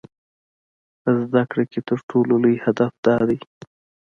په زده کړه کې تر ټولو لوی هدف دا دی.